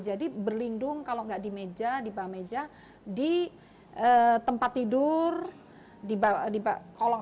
jadi berlindung kalau gak di meja di bawah meja di tempat tidur di kolong